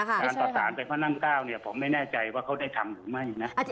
การต่อสารไปพระนั่ง๙เนี่ยผมไม่แน่ใจว่าเขาได้ทำหรือไม่นะ